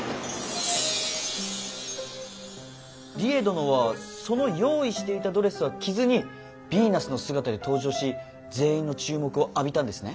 梨江殿はその用意していたドレスは着ずにビーナスの姿で登場し全員の注目を浴びたんですね？